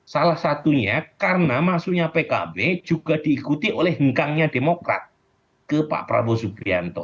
salah satunya karena masuknya pkb juga diikuti oleh hengkangnya demokrat ke pak prabowo subianto